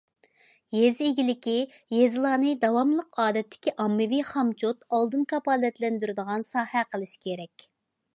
يېزا ئىگىلىكى، يېزىلارنى داۋاملىق ئادەتتىكى ئاممىۋى خامچوت ئالدىن كاپالەتلەندۈرىدىغان ساھە قىلىش كېرەك.